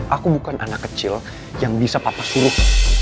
aku bukan anak kecil yang bisa papa suruh